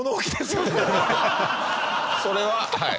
それははい。